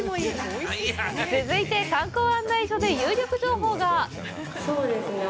続いて、観光案内所で有力情報が。